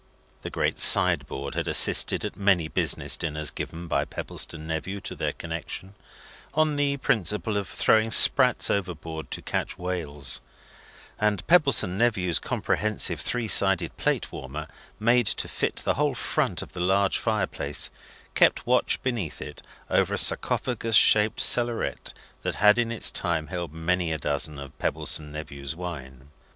The great sideboard had assisted at many business dinners given by Pebbleson Nephew to their connection, on the principle of throwing sprats overboard to catch whales; and Pebbleson Nephew's comprehensive three sided plate warmer, made to fit the whole front of the large fireplace, kept watch beneath it over a sarcophagus shaped cellaret that had in its time held many a dozen of Pebbleson Nephew's wine.